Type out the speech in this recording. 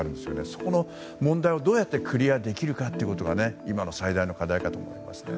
そこの問題をどうクリアするかが今の最大の課題だと思います。